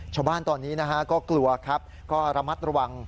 ชาวบ้านตอนนี้นะฮะก็กลัวครับก็ระมัดระวัง